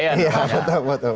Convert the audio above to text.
iya betul betul